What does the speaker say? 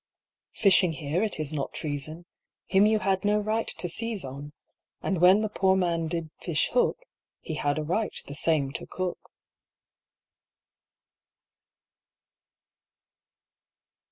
Fishing here it is not treason, Him you had no right to seize on, And when the poor man did fish hook, He had a right the same to cook.